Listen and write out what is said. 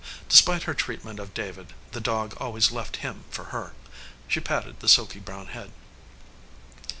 Despite her treatment of David, the dog always left him for her. She patted the silky brown head.